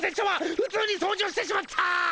ふつうに掃除をしてしまった！